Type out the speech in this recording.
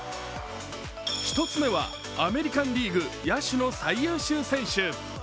１つ目はアメリカン・リーグ野手の最優秀選手。